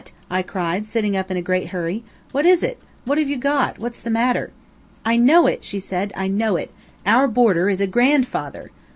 I cried, sitting up in a great hurry. "What is it? What have you got? What's the matter?" "I know it!" she said, "I know it. Our boarder is a GRANDFATHER!